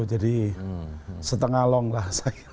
jadi setengah long lah saya